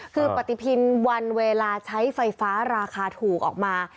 คือปฏิทินวันเวลาใช้ไฟฟ้าราคาถูกออกมา